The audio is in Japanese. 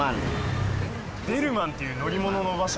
デルマンっていう乗り物の馬車。